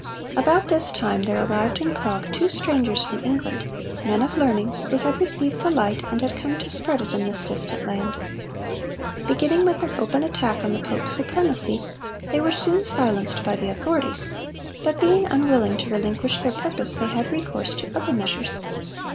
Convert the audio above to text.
About this time there arrived in Prague two strangers from England, men of learning, who had received the light, and had come to spread it in this distant land. Beginning with an open attack on the pope's supremacy, they were soon silenced by the authorities; but being unwilling to relinquish their purpose, they had recourse to other measures.